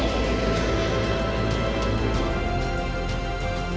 jangan lupa like subscribe share dan subscribe ya